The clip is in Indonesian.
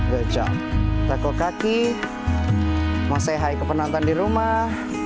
gojong takut kaki mau sehat ke penonton di rumah